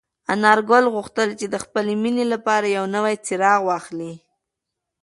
انارګل غوښتل چې د خپلې مېنې لپاره یو نوی څراغ واخلي.